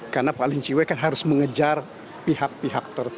karena pak lin che wei kan harus mengejar pihak pihak tersebut